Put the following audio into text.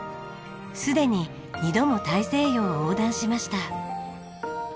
すでに２度も大西洋を横断しました。